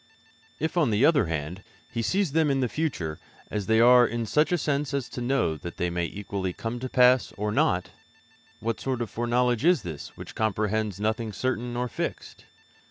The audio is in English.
If, on the other hand, He sees them in the future as they are in such a sense as to know that they may equally come to pass or not, what sort of foreknowledge is this which comprehends nothing certain nor fixed?